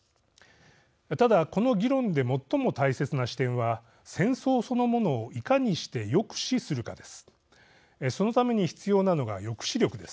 ただ、この議論で最も大切な視点は戦争そのものをいかにして抑止するかです。